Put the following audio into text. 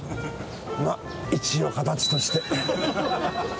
まあ一応形として。